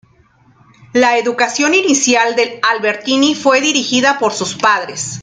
La educación inicial de Albertini fue dirigida por sus padres.